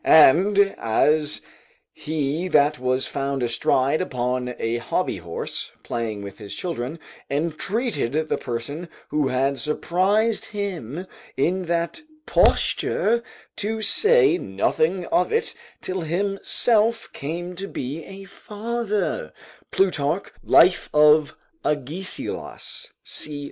And, as he that was found astride upon a hobby horse, playing with his children, entreated the person who had surprised him in that posture to say nothing of it till himself came to be a father, [Plutarch, Life of Agesilaus, c. 9.